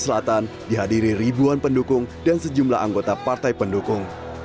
selatan dihadiri ribuan pendukung dan sejumlah anggota partai pendukung